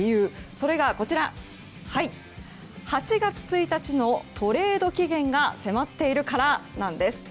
それが８月１日のトレード期限が迫っているからなんです。